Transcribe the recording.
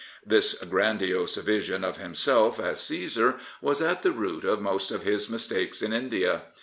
This grandiose vision of himself as Caesar was at the root of most of his mistakes in India.